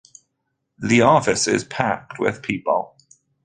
The office is packed with people.